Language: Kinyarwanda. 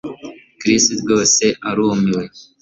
Chris rwose arumiwe